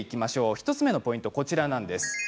１つ目のポイントはこちらです。